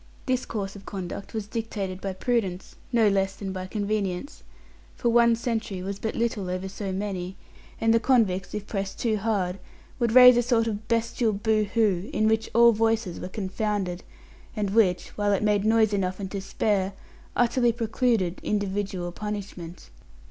This course of conduct was dictated by prudence, no less than by convenience, for one sentry was but little over so many; and the convicts, if pressed too hard, would raise a sort of bestial boo hoo, in which all voices were confounded, and which, while it made noise enough and to spare, utterly precluded individual punishment.